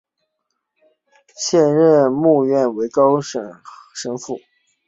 现任院牧为高豪神父。